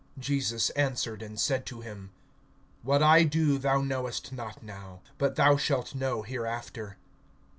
(7)Jesus answered and said to him: What I do thou knowest not now; but thou shalt know hereafter.